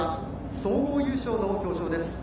総合優勝の表彰です。